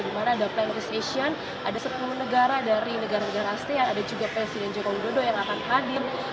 di mana ada planetary station ada sepuluh negara dari negara negara asli ada juga pension jogong dodo yang akan hadir